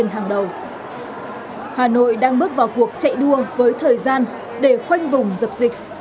hà nội đang bước vào cuộc chạy đua với thời gian để khoanh vùng dập dịch